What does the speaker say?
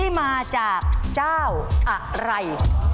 มาจากเจ้าอะไร